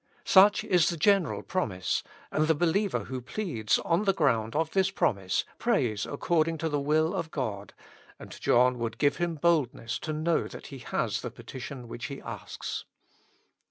'" Such is the general promise ; and the believer who pleads on the ground of this promise, prays according to the will of God, and John would give him boldness to know that he has the petition which he asks.